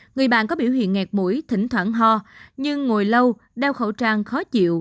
người bạn có biểu hiện nghẹt mũi thỉnh thoảng ho nhưng ngồi lâu đeo khẩu trang khó chịu